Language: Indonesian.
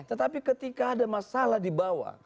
tetapi ketika ada masalah di bawah